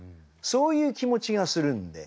そういう気持ちがするんで。